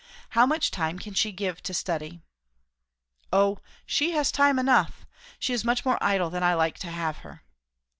How much time can she give to study?" "O she has time enough. She is much more idle than I like to have her."